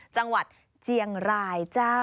จังหวัดเจียงรายจ้า